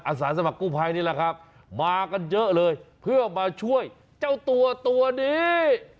สาสมัคกู้ภัยนี่แหละครับมากันเยอะเลยเพื่อมาช่วยเจ้าตัวตัวนี้